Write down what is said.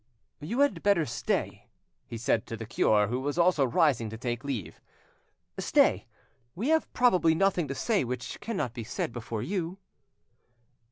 "You had better stay," he said to the cure, who was also rising to take leave. "Stay; we have probably nothing to say which cannot be said before you."